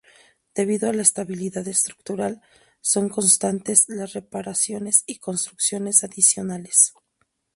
Debido a la estabilidad estructural, son constantes las reparaciones y construcciones adicionales.